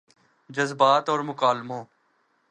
جذبات اور مکالموں